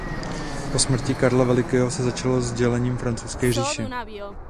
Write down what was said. Po smrti Karla Velikého se začalo s dělením Franské říše.